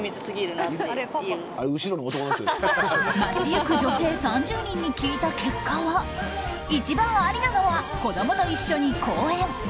街行く女性３０人に聞いた結果は一番ありなのは子供と一緒に公園。